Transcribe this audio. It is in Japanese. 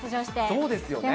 そうですよね。